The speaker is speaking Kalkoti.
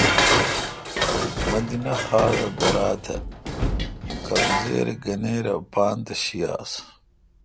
مدینہ خار دا درا۔ تہ ا کمزِر گنیراے اپان تہ شی آس۔